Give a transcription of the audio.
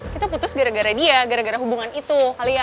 kita putus gara gara dia gara gara hubungan itu kali ya